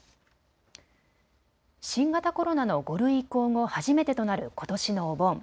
新型コロナの５類移行後、初めてとなることしのお盆。